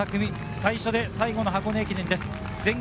最初で最後の箱根駅伝です。